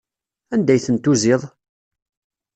Anda ay tent-tuziḍ?